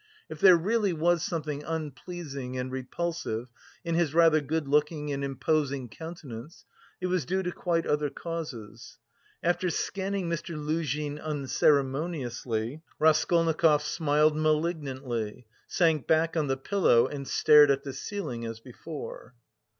If there really was something unpleasing and repulsive in his rather good looking and imposing countenance, it was due to quite other causes. After scanning Mr. Luzhin unceremoniously, Raskolnikov smiled malignantly, sank back on the pillow and stared at the ceiling as before.